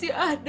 dia masih ada